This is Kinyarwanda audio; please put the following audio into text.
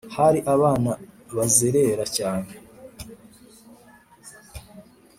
hari abana bazerera cyane